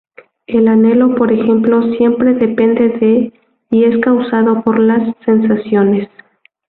El anhelo, por ejemplo, siempre depende de, y es causado por las sensaciones.